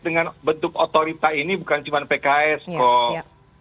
dengan bentuk otorita ini bukan cuma pks kok